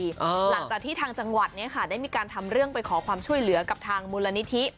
หลังจากที่ทางจังหวัดเนี่ยค่ะได้มีการทำเรื่องไปขอความช่วยเหลือกับทางมูลนิธิ